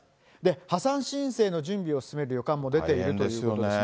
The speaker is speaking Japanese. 破産申請の準備を進める旅館も出ているというんですね。